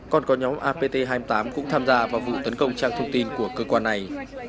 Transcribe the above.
còn có nhóm apt hai mươi tám cũng tham gia vào vụ tấn công trang thông tin của cơ quan này